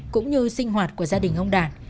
cũng như sinh hoạt của gia đình ông đạt